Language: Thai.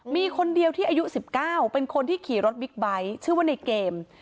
มีคนเดียวที่อายุ๑๙เป็นคนที่ขี่รถบิ๊กไบท์ชื่อว่าในเกม